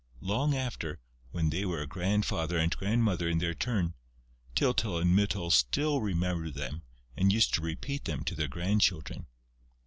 Long after, when they were a grandfather and grandmother in their turn, Tyltyl and Mytyl still remembered them and used to repeat them to their grandchildren.